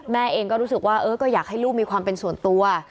แม่เองก็รู้สึกว่าก็อยากให้ลูกมีความเป็นส่วนตัว